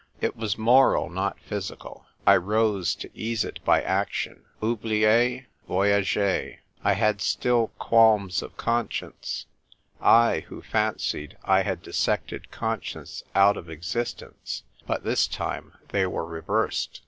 It was moral, not physical. I rose, to ease it by action. Oubliez ; voyagez ! I had still qualms of conscience — I who fancied I had dissected conscience out of existence : but this time they were reversed.